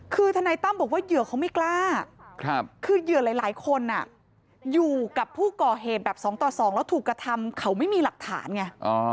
คือทนายตั้มบอกว่าเหยื่อเขาไม่กล้าคือเหยื่อหลายคนอยู่กับผู้ก่อเหตุแบบ๒ต่อ๒แล้วถูกกระทำเขาไม่มีหลักฐานไง